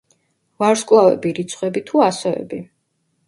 ვარსკვლავები, რიცხვები თუ ასოები?